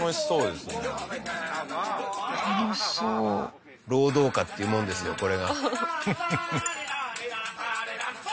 そうですよ。